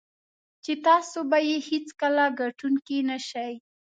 چې تاسو به یې هېڅکله ګټونکی نه شئ.